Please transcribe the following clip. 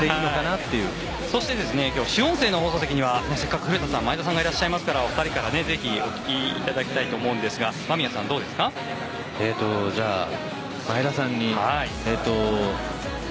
そして今日主音声の放送席にはせっかく古田さん、前田さんいらっしゃいますからお二人からぜひお聞きいただきたいと思うんですがじゃあ前田さんに。